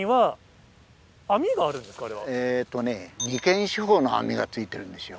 えっとね二間四方の網が付いてるんですよ。